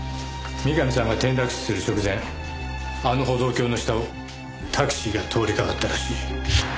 三上さんが転落死する直前あの歩道橋の下をタクシーが通りかかったらしい。